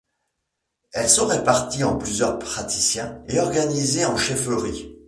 Ils sont répartis en plusieurs patriclans et organisés en chefferies.